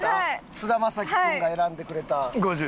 菅田将暉君が選んでくれた。